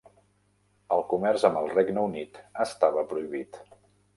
El comerç amb el Regne Unit estava prohibit.